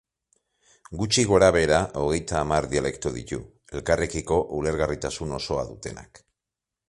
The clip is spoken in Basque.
Gutxi gorabehera hogeita hamar dialekto ditu, elkarrekiko ulergarritasun osoa dutenak.